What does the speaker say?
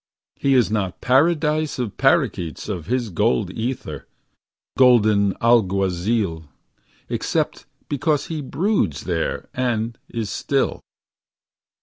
He is not paradise of parakeets. Of his gold ether, golden alguazil. Except because he broods there and is still.